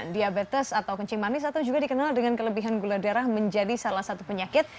diabetes atau kecimani satu juga dikenal dengan kelebihan gula darah menjadi salah satu penyakit